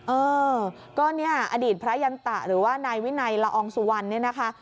เออก็เนี่ยอดีตพระยันตะหรือว่านายวินัยละอองสุวรรณเนี่ยนะคะ